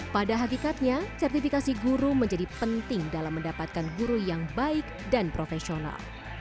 pada hakikatnya sertifikasi guru menjadi penting dalam mendapatkan guru yang baik dan profesional